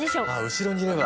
後ろにいれば。